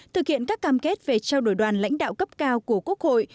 thực hiện các cam kết về trao đổi đoàn lãnh đạo cấp cao của quốc hội